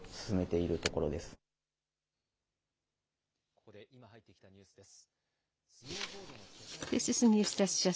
ここで、今入ってきたニュースです。